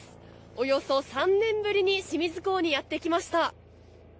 およそ３年ぶりに清水港にやってきました。